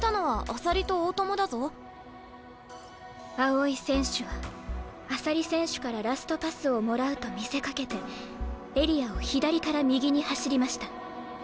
青井選手は朝利選手からラストパスをもらうと見せかけてエリアを左から右に走りました。